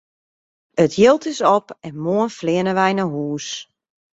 It jild is op en moarn fleane wy nei hús!